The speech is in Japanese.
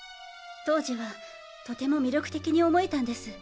当時はとても魅力的に思えたんです。